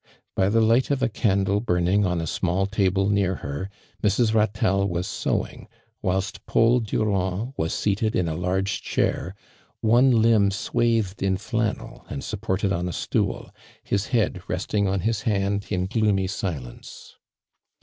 By the light of a candle burning on a small table near her, Mrs. Ratelle was sewing, whilst Paul Durand was seated in a large cliair, one limb swathed in flannel and sup ported on a stool, his head resting on his hand in gloomy silence.